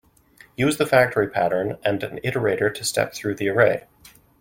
Use the factory pattern and an iterator to step through the array.